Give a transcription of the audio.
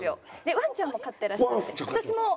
ワンちゃんも飼ってらっしゃって。